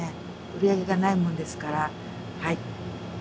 売り上げがないもんですから。